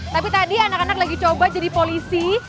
tapi tadi anak anak lagi coba jadi polisi